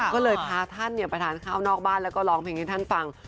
ก็เลยพาท่านไปทานข้าวนอกบ้านแล้วก็ร้องเพลงให้ท่านฟัง